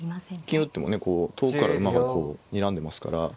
金打ってもね遠くから馬がにらんでますから。